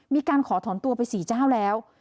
มีการขอถอนตัวไป๔เจ้าแล้ว